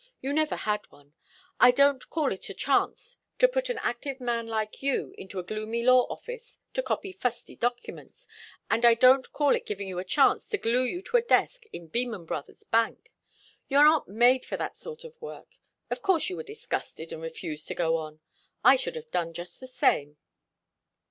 You never had one. I don't call it a chance to put an active man like you into a gloomy law office to copy fusty documents. And I don't call it giving you a chance to glue you to a desk in Beman Brothers' bank. You're not made for that sort of work. Of course you were disgusted and refused to go on. I should have done just the same."